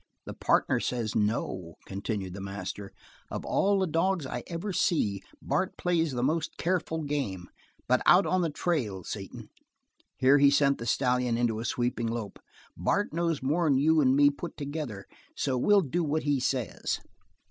"The partner says 'no,'" continued the master. "Of all the dogs I ever see, Bart plays the most careful game, but out on the trail, Satan" here he sent the stallion into the sweeping lope "Bart knows more'n you an' me put together, so we'll do what he says."